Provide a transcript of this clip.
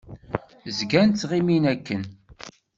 Zgan ttɣimin akken.